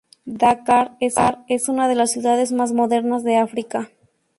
Dakar: Es una de las ciudades más modernas de África.